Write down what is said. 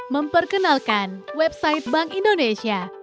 memperkenalkan website bank indonesia